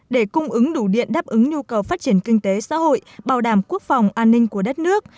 để cung ứng đủ điện đáp ứng nhu cầu phát triển kinh tế xã hội bảo đảm quốc phòng an ninh của đất nước